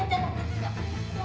aduh otak otak lo